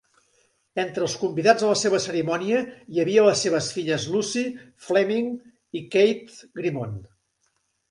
Entre els convidats a la cerimònia hi havia les seves filles, Lucy Fleming i Kate Grimond.